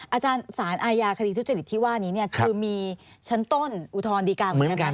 อาจารย์สารอาญาคดีทุจริตที่ว่านี้เนี่ยคือมีชั้นต้นอุทธรณดีการเหมือนกัน